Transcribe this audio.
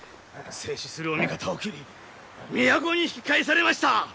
制止するお味方を斬り都に引き返されました！